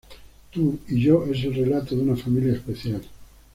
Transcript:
Tú y Yo es el relato de una familia especial.